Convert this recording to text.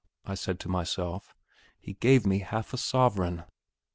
I said to myself. "He gave me half a sovereign."